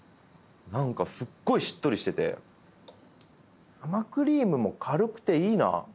何かすっごいしっとりしてて生クリームも軽くていいな。